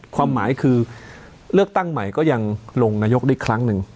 ความหมายคือเลือกตั้งใหม่ก็ยังลงนายกได้ครั้งหนึ่ง